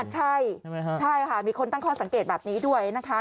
ใช่ค่ะมีคนตั้งข้อสังเกตแบบนี้ด้วยนะคะ